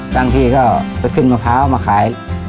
บางทีก็ไปขึ้นมะพร้าวมาขาย